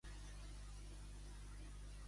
Què ha advertit Cuixart també?